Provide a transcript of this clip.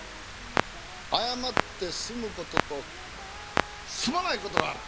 謝って済む事と済まない事がある！